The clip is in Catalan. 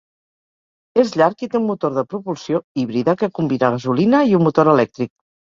És llarg i té un motor de propulsió híbrida que combina gasolina i un motor elèctric.